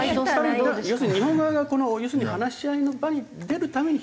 要するに日本側が話し合いの場に出るために引っ張り出せば。